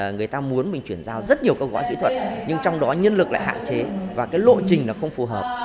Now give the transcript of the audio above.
người ta muốn mình chuyển giao rất nhiều công gói kỹ thuật nhưng trong đó nhân lực lại hạn chế và lộ trình không phù hợp